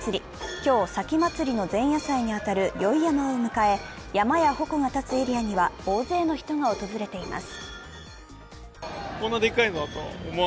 今日、前祭の前夜祭に当たる宵山を迎え、山や鉾が立つエリアには大勢の人が訪れています。